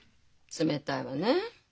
冷たいわね。